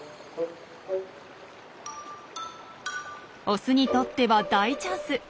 オスにとっては大チャンス。